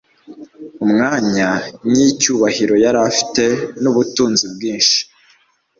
Umwanya Ny'icyubahiro yari afite n'ubutunzi bwinshi